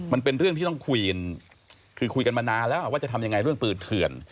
มันเป็นเรื่องที่ต้องคุยกันคือคุยกันมานานแล้วว่าจะทำยังไงเรื่องปืนเถื่อน